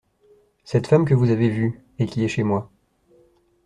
Cette femme que vous avez vue … Et qui est chez moi.